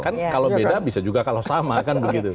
kan kalau beda bisa juga kalau sama kan begitu